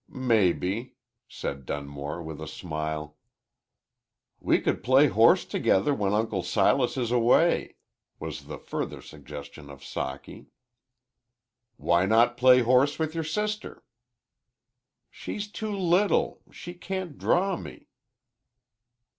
. "Maybe," said Dunmore, with a smile. "We could play horse together when Uncle Silas is away," was the further suggestion of Socky. "Why not play horse with your sister?" "She's too little she can't draw me."